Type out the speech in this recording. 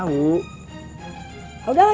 udah pokoknya kita makan